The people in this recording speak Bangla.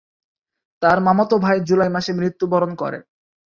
তার মামাতো ভাই জুলাই মাসে মৃত্যুবরণ করে।